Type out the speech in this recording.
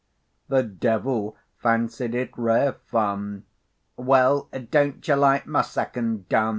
The devil fancied it rare fun. "Well! don't you like my second, Dun?